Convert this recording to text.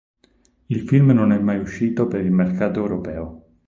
Il film non è mai uscito per il mercato europeo.